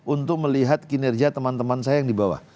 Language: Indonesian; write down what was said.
untuk melihat kinerja teman teman saya yang di bawah